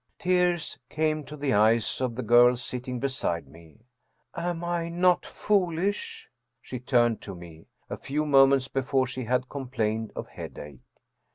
Tears came to the eyes of the girl sitting beside me. " Am I not foolish ?" She turned to me. A few moments before she had complained of headache.